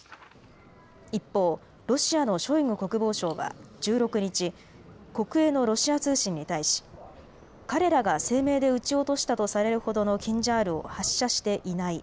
一方、ロシアのショイグ国防相は１６日、国営のロシア通信に対し彼らが声明で撃ち落としたとされるほどのキンジャールを発射していない。